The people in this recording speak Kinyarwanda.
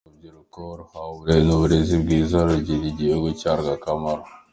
Urubyiruko ruhawe uburere n’uburezi bwiza rugirira igihugu cyarwo akamaro.